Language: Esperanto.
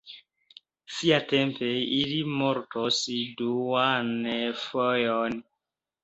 Siatempe ili mortos duan fojon.